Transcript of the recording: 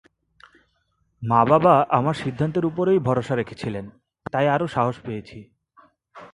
মা বাবা আমার সিদ্ধান্তের ওপরই ভরসা রেখেছিলেন, তাই আরও সাহস পেয়েছি।